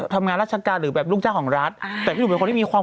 ต่างจากพวกว่ายายแก่ที่สุด